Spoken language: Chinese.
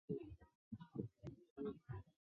食管憩室主要影响成年人。